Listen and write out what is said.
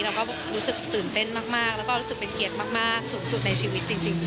เราก็รู้สึกตื่นเต้นมากแล้วก็รู้สึกเป็นเกียรติมากสูงสุดในชีวิตจริง